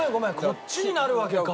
こっちになるわけか。